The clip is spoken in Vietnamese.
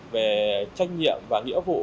về trách nhiệm và nghĩa vụ